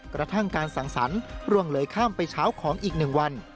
กระทั่งการสั่งสรรคร่วงเลยข้ามไปเช้าของอีก๑วัน